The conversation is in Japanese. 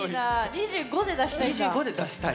２５で出したい。